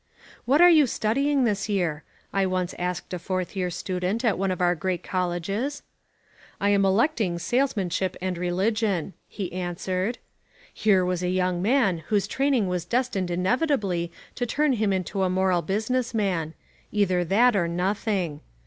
"What are you studying this year?" I once asked a fourth year student at one of our great colleges. "I am electing Salesmanship and Religion," he answered. Here was a young man whose training was destined inevitably to turn him into a moral business man: either that or nothing.